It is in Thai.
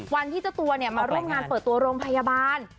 วันที่เจ้าตัวมาร่วมงานเปิดตัวโรงพยาบาล